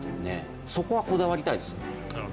そこはこだわりたいですよね。